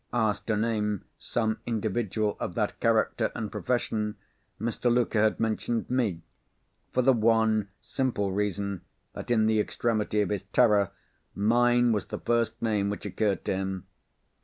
Asked to name some individual of that character and profession, Mr. Luker had mentioned me—for the one simple reason that, in the extremity of his terror, mine was the first name which occurred to him.